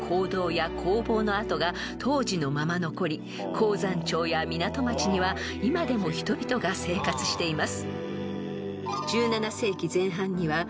［鉱山町や港町には今でも人々が生活しています］